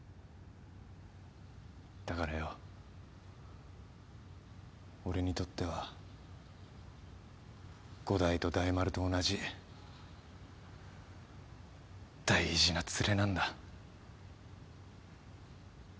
だからよ俺にとっては伍代と大丸と同じ大事なツレなんだ。